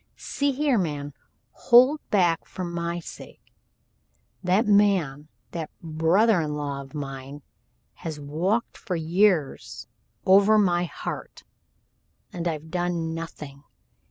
See here, man, hold back for my sake. That man that brother in law of mine has walked for years over my heart, and I've done nothing.